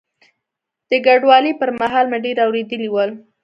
د کډوالۍ پر مهال مې ډېر اورېدلي ول.